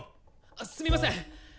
すみません！